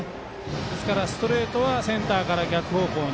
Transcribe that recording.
ですからストレートはセンターから逆方向に。